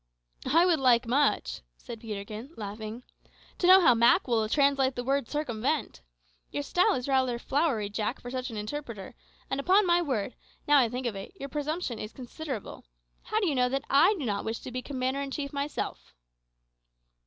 "I would like much," said Peterkin, laughing, "to know how Mak will translate the word `circumvent.' Your style is rather flowery, Jack, for such an interpreter; and upon my word, now I think of it, your presumption is considerable. How do you know that I do not wish to be commander in chief myself?"